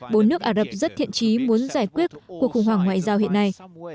bốn nước ả rập rất thiện trí muốn giải quyết cuộc khủng hoảng ngoại giao hiện nay